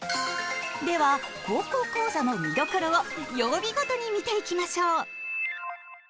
では「高校講座」の見どころを曜日ごとに見ていきましょう！